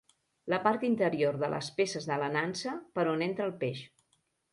La part interior de les peces de la nansa, per on entra el peix.